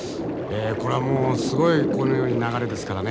これはもうすごいこのように流れですからね